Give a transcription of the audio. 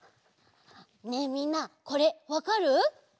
ねえみんなこれわかる？